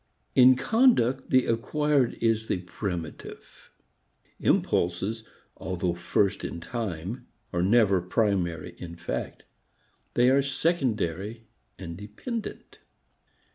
In conduct the acquired is the primitive. Impulses although first in time are never primary in fact; they are secondary and dependent.